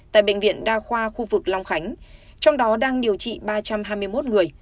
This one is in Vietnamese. tại bệnh viện đa khoa khu vực long khánh trong đó đang điều trị ba trăm hai mươi một người